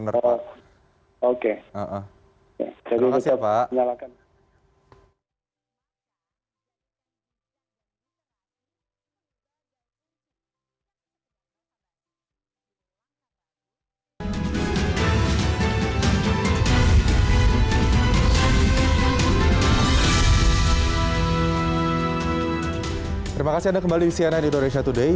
terima kasih anda kembali di cnn indonesia today